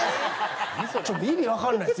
ちょっと意味がわかんないです